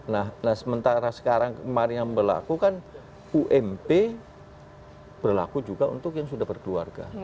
nah sementara sekarang kemarin yang berlaku kan ump berlaku juga untuk yang sudah berkeluarga